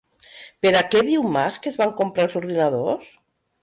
Per a què diu Mas que es van comprar els ordinadors?